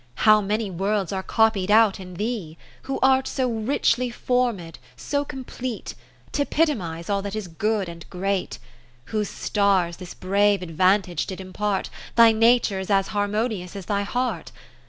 How many Worlds are copied out in thee. Who art so richly formed, so com plete, T' epitomize all that is good and great; Whose stars this brave advantage did impart, Thy nature's as harmonious as thy art?